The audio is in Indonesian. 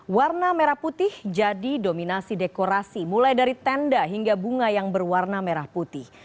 warna merah putih jadi dominasi dekorasi mulai dari tenda hingga bunga yang berwarna merah putih